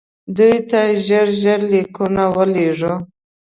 دوی ته ژر ژر لیکونه ولېږو.